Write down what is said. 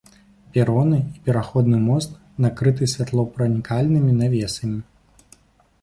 Пероны і пераходны мост накрыты святлопранікальнымі навесамі.